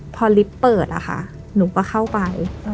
พอลิฟท์เปิดหนูก็เข้าไป